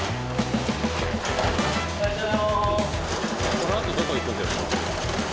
このあとどこ行くんですか？